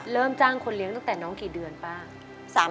จ้างคนเลี้ยงตั้งแต่น้องกี่เดือนป้า